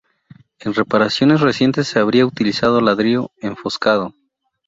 En reparaciones recientes se habría utilizado ladrillo enfoscado.